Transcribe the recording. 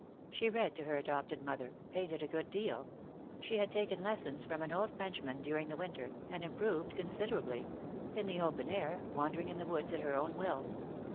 She read to her adopted mother, painted a good deal — she had taken lessons from an old French man during the winter, and improved considerably — in the open air, wandering in the woods at her own will.